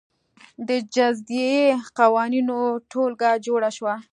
د جزايي قوانینو ټولګه جوړه شوه.